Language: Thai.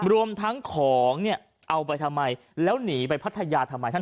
รวมทั้งของเอาไปทำไมแล้วหนีไปพัทยาทำไม